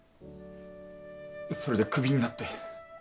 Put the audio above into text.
それでクビになって。